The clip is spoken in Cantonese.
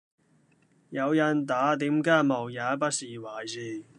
有人打點家務也不是壞事